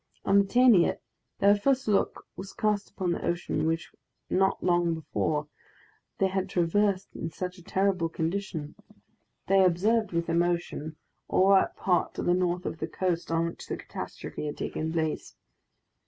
On attaining it, their first look was cast upon the ocean which not long before they had traversed in such a terrible condition. They observed, with emotion, all that part to the north of the coast on which the catastrophe had taken place.